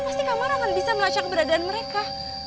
pasti kamu akan bisa melacak beradaan mereka